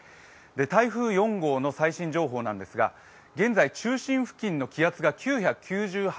台風４号の最新情報なんですが、現在、中心付近の気圧が９９８ｈＰａ。